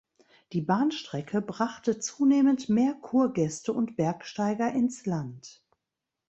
Die Bahnstrecke brachte zunehmend mehr Kurgäste und Bergsteiger ins Land.